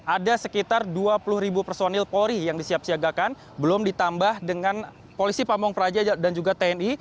ada sekitar dua puluh ribu personil polri yang disiapsiagakan belum ditambah dengan polisi pamung praja dan juga tni